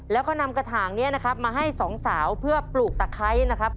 แล้วก็นำกระถางนี้นะครับมาให้สองสาวเพื่อปลูกตะไคร้นะครับ